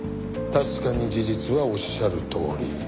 確かに事実はおっしゃるとおり。